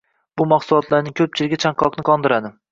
Bu mahsulotlarning koʻpchiligi chanqoqni qondiradi